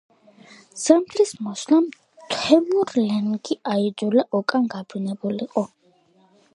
ზამთრის მოსვლამ თემურ-ლენგი აიძულა უკან გაბრუნებულიყო.